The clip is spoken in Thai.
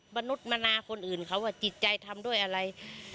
มนุษย์มนาคนอื่นเขาว่าจิตใจทำด้วยอะไร